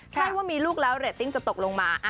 ใช่ว่ามีลูกแล้วเรตติ้งจะตกลงมา